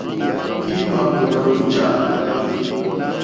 Í má ǃhwóndó ǃjá.